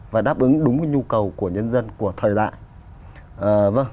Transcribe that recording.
và đáp ứng đúng nhu cầu của nhân dân của thời đại